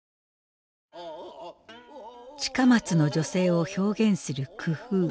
近松の女性を表現する工夫。